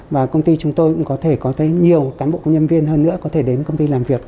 và công ty chúng tôi cũng có thể có tới nhiều cán bộ công nhân viên hơn nữa có thể đến công ty làm việc